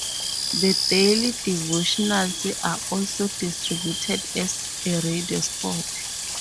The daily devotionals are also distributed as a radio spot.